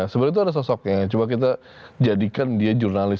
sebenarnya itu ada sosoknya coba kita jadikan dia jurnalis